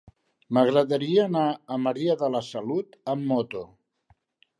M'agradaria anar a Maria de la Salut amb moto.